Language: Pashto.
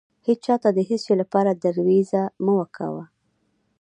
هيچا ته د هيڅ شې لپاره درويزه مه کوه.